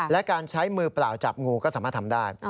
และการใช้มือเปล่าจับงูก็สามารถทำได้